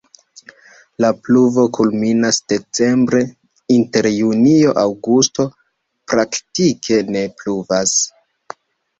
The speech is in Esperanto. La pluvo kulminas decembre, inter junio-aŭgusto praktike ne pluvas.